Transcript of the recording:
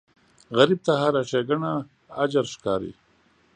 غریب ته هره ښېګڼه اجر ښکاري